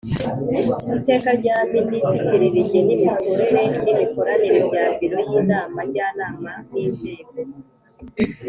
Iteka rya Minisitiri rigena imikorere n imikoranire bya Biro y Inama Njyanama n Inzego